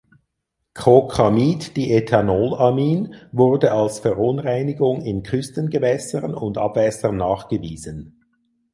Cocamiddiethanolamin wurde als Verunreinigung in Küstengewässern und Abwässern nachgewiesen.